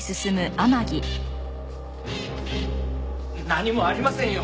何もありませんよ！